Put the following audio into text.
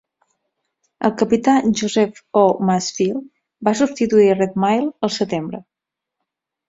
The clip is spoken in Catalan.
El Capità Joseph O. Masefield va substituir Redmill al setembre.